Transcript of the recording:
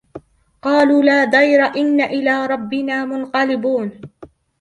قالوا لا ضير إنا إلى ربنا منقلبون